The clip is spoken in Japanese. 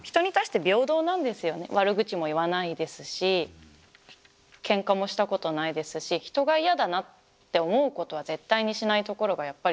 悪口も言わないですしけんかもしたことないですし人が嫌だなって思うことは絶対にしないところがやっぱり。